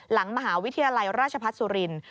หลังมหาวิทยาลัยราชพัฒน์สุรินทร์